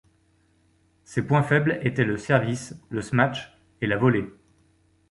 Ses points faibles étaient le service, le smash et la volée.